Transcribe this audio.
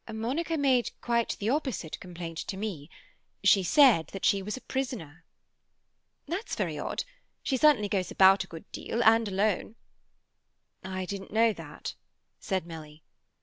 "Monica made quite the opposite complaint to me. She said that she was a prisoner." "That's very odd. She certainly goes about a good deal and alone." "I didn't know that," said Milly.